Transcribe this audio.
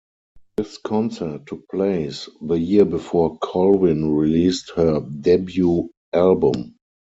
This concert took place the year before Colvin released her debut album.